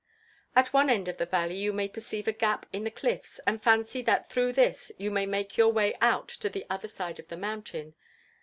At one end of the valley you may perceive a gap in the cliffs; and fancy that through this you may make your way out to the side of the mountain.